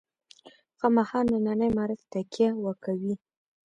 خامخا ننني معارف تکیه وکوي.